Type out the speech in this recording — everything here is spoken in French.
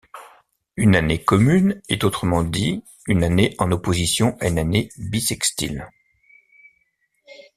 Une année commune est autrement dit une année en opposition à une année bissextile.